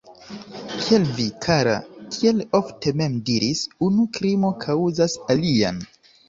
Kiel vi, kara, tiel ofte mem diris, unu krimo kaŭzas alian.